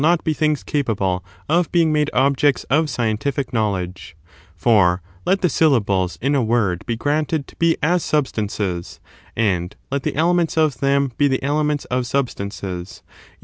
^ not be things capable of being made objects of guiarandnot scientific knowledge. . For let the syllables in a — mlSSItod'' word be granted to be as substances, and let the by the syllables elements of them be the elements of substances, awor